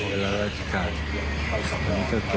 วัน๑๗กันอย่างนี้